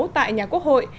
tại nhà quốc hội